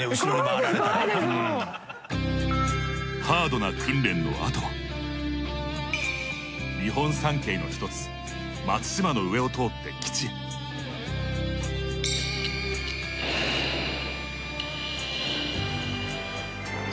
ハードな訓練のあとは日本三景の一つ松島の上を通って基地へ。